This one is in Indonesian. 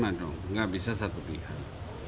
kita harus bersama dong nggak bisa satu pihak